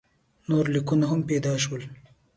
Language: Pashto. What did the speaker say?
نور لیکونه هم پیدا شول.